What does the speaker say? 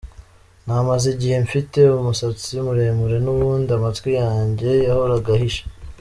Namaze igihe mfite umusatsi muremure n’ubundi amatwi yanjye yahoraga ahishe.